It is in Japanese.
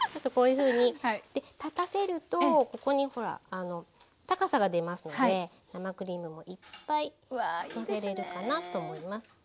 こういうふうに立たせるとここにほら高さが出ますので生クリームもいっぱいのせられるかなと思います。